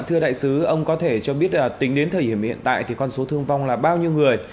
thưa đại sứ ông có thể cho biết tính đến thời điểm hiện tại thì con số thương vong là bao nhiêu người